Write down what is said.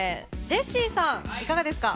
ジェシーさん、いかがですか？